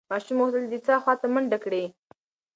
ماشوم غوښتل چې د څاه خواته منډه کړي.